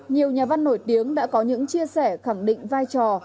nhiều nhà văn nổi tiếng đã có những chia sẻ khẳng định vai trò